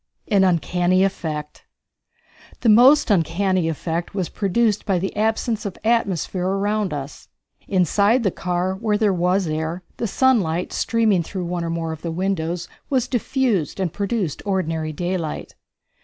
An Uncanny Effect. The most uncanny effect was produced by the absence of atmosphere around us. Inside the car, where there was air, the sunlight, streaming through one or more of the windows, was diffused and produced ordinary daylight.